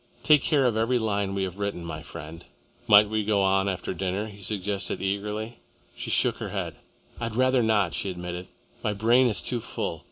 Take care of every line we have written, my friend." "We might go on after dinner," he suggested eagerly. She shook her head. "I'd rather not," she admitted. "My brain is too full.